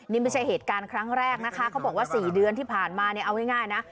นี่ไม่ใช่เหตุการณ์ครั้งแรกนะคะเขาบอกว่า๔เดือนที่ผ่านมาเนี่ยเอาง่ายนะ